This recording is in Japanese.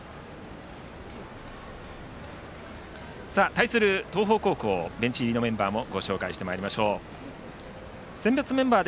対する東邦高校のベンチ入りメンバーです。